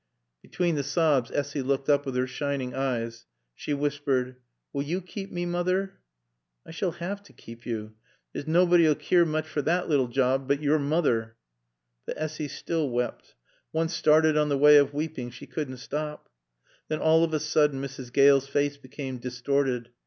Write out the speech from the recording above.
Between the sobs Essy looked up with her shining eyes. She whispered. "Will yo kape mae, Moother?" "I sail 'ave t' kape yo. There's nawbody 'll keer mooch fer thot job but yore moother." But Essy still wept. Once started on the way of weeping, she couldn't stop. Then, all of a sudden, Mrs. Gale's face became distorted.